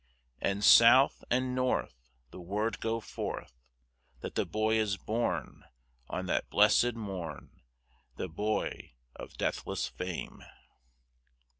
And south and north The word go forth That the boy is born On that blessèd morn; The boy of deathless fame!